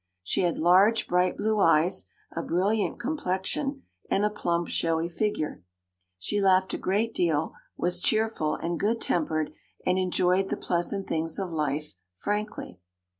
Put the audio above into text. She had large, bright blue eyes, a brilliant complexion, and a plump showy figure. She laughed a great deal, was cheerful and good tempered, and enjoyed the pleasant things of life frankly.